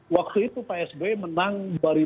waktu itu psb menang dua ribu sembilan